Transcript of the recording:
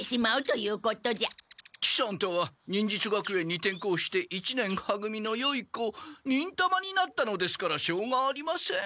喜三太は忍術学園に転校して一年は組のよい子忍たまになったのですからしょうがありません。